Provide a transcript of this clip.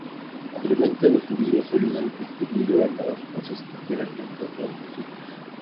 Anteriormente los judíos habían despedido a las esposas extranjeras junto con sus hijos.